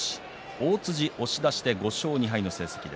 大辻、押し出しで５勝２敗の成績。